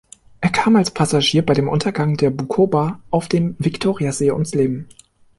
Er kam als Passagier bei dem Untergang der Bukoba auf dem Viktoriasee ums Leben.